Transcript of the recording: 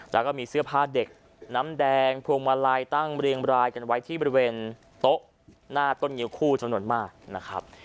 แล้วก็มีเสื้อผ้าเด็กน้ำแดงพวงมาลัยตั้งเรียงรายกันไว้ที่บริเวณโต๊ะหน้าต้นงิ้วคู่จำนวนมากนะครับ